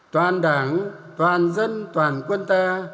toàn đảng toàn dân toàn quân ta